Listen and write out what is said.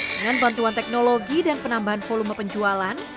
dengan bantuan teknologi dan penambahan volume penjualan